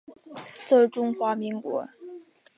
在中华民国。